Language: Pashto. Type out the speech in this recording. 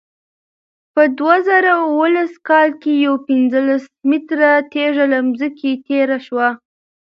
په دوه زره اوولس کال کې یوه پنځلس متره تېږه له ځمکې تېره شوه.